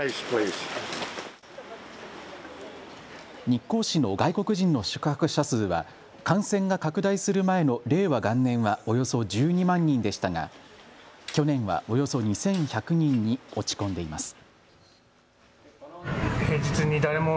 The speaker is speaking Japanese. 日光市の外国人の宿泊者数は感染が拡大する前の令和元年はおよそ１２万人でしたが去年は、およそ２１００人に落ち込んでいます。